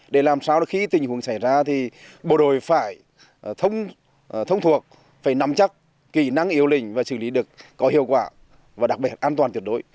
để làm sao khi tình huống xảy ra thì bộ đội phải thông thuộc phải nắm chắc kỹ năng yếu lĩnh và xử lý được có hiệu quả và đặc biệt an toàn tuyệt đối